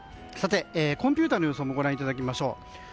コンピューターの予想もご覧いただきましょう。